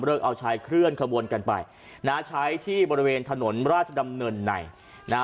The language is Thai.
เอาเลิกเอาใช้เคลื่อนขบวนกันไปใช้ที่บริเวณถนนราชดำเนินใหม่